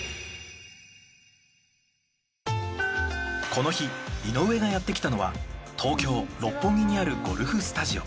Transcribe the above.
この日井上がやってきたのは東京・六本木にあるゴルフスタジオ。